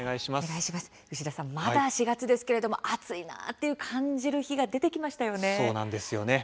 牛田さん、まだ４月ですけれども暑いなと感じる日がそうですね